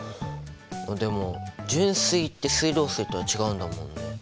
でも純水って水道水とは違うんだもんね。